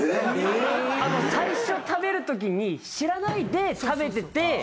最初食べるときに知らないで食べてて。